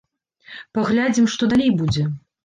Паглядзім, што далей будзе.